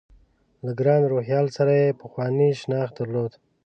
له ګران روهیال سره یې پخوانی شناخت درلود.